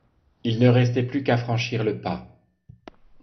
Il ne restait plus qu’à franchir le pas...